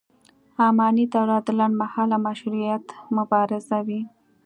اماني دوره د لنډ مهاله مشروطیت مبارزې وه.